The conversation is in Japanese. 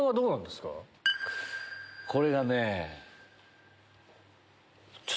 これがね。